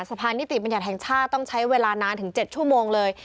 สะพานนิติบัญญัติแห่งชาติต้องใช้เวลานานถึง๗ชั่วโมงเลย